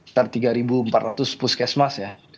sekitar tiga empat ratus puskesmas ya